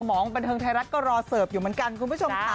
หมองบันเทิงไทยรัฐก็รอเสิร์ฟอยู่เหมือนกันคุณผู้ชมค่ะ